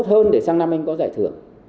anh phải làm tốt hơn để sang năm anh có giải thưởng